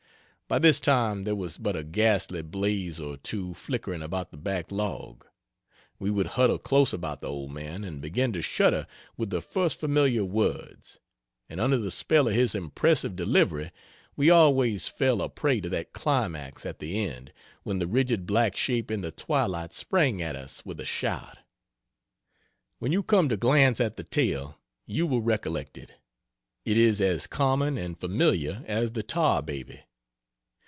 By this time there was but a ghastly blaze or two flickering about the back log. We would huddle close about the old man, and begin to shudder with the first familiar words; and under the spell of his impressive delivery we always fell a prey to that climax at the end when the rigid black shape in the twilight sprang at us with a shout. When you come to glance at the tale you will recollect it it is as common and familiar as the Tar Baby.